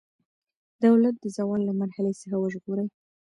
دولت د زوال له مرحلې څخه وژغورئ.